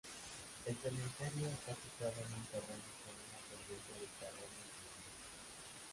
El cementerio está situado en un terreno con una pendiente del terreno empinada.